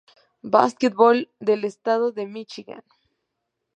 Basketball del estado de Míchigan.